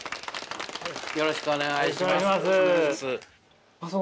よろしくお願いします。